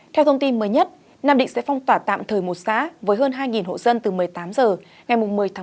theo thông tin mới nhất nam định sẽ phong tỏa tạm thời một xã với hơn hai hộ dân từ một mươi tám h ngày một mươi một